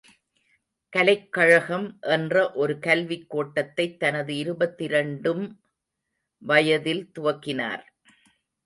கலைக்கழகம் என்ற ஒரு கல்விக் கோட்டத்தைத் தனது இருபத்திரண்டு ம் வயதில் துவக்கினார்!